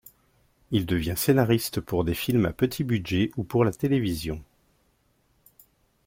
Il devient scénariste pour des films à petits budgets ou pour la télévision.